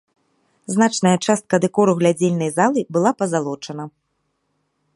Значная частка дэкору глядзельнай залы была пазалочана.